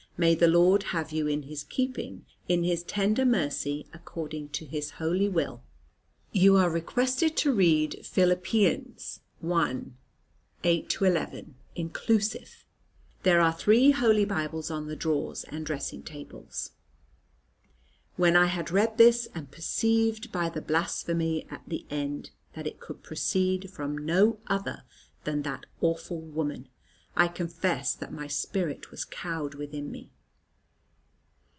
May the Lord have you in His keeping, in His tender mercy, according to His holy will. You are requested to read Philippians i. 8 11 inclusive. There are three holy bibles on the drawers and dressing tables." When I had read this, and perceived, by the blasphemy at the end, that it could proceed from no other than that awful woman, I confess that my spirit was cowed within me.